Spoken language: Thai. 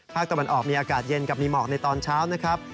ตะวันออกมีอากาศเย็นกับมีหมอกในตอนเช้านะครับ